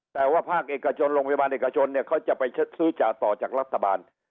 แต่ว่าภาคเอกชนโรงพยาบาลเอกชนเนี่ยเขาจะไปซื้อจ่าต่อจากรัฐบาล